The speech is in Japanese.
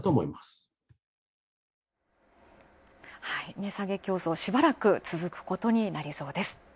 値下げ競争、しばらく続くことになりそうです。